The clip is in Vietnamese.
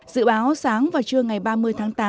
dự báo sáng và trưa ngày ba mươi tháng tám